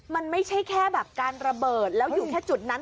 มันไม่ใช่แค่แบบการระเบิดแล้วอยู่แค่จุดนั้น